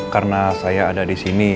karena saya ada disini